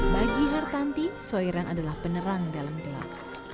bagi hartanti soiran adalah penerang dalam gelap